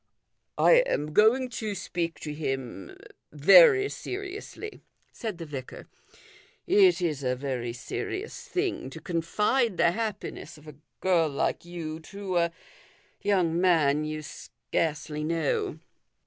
" I am going to speak to him very seriously," said the vicar. " It is a very serious thing to confide the happiness of a girl like you to a young man you scarcely know."